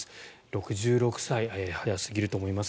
６６歳、早すぎると思います。